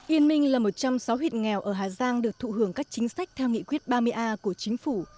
yên minh là một trong sáu huyện nghèo ở hà giang được thụ hưởng các chính sách theo nghị quyết ba mươi a của chính phủ